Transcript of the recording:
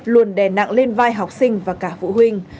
luôn đè nặng lên vai học sinh và cả phụ huynh